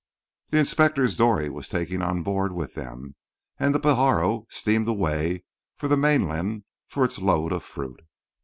The inspectors' dory was taken on board with them, and the Pajaro steamed away for the mainland for its load of fruit.